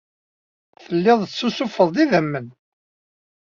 Tellid tessusufed-d idammen.